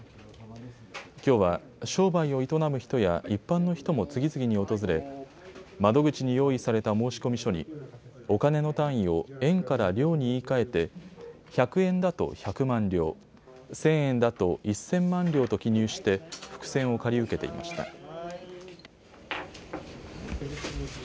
きょうは商売を営む人や一般の人も次々に訪れ窓口に用意された申込書にお金の単位を円から両に言いかえて１００円だと百万両、１０００円だと一千万両と記入して福銭を借り受けていました。